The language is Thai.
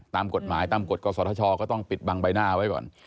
ตามกฎหมายตามกฎกศธชก็ต้องปิดบังใบหน้าไว้ก่อน